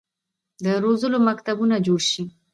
د روزلو مکتبونه جوړ شي.